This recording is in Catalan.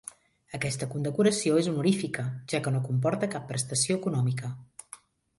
Aquesta condecoració és honorífica, ja que no comporta cap prestació econòmica.